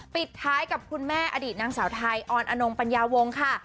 ปิดท้ายกับคุณแม่อดีตนางสาวไทยออนอนงปัญญาวงค่ะ